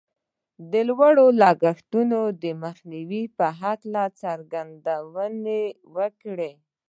د لوړو لګښتونو د مخنیوي په هکله یې څرګندونې وکړې